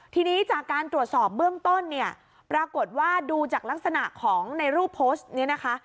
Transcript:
ทีนี้จากการตรวจสอบเบื้องต้นเนี่ยปรากฏว่าดูจากลักษณะของในรูปโพสต์นี้นะคะ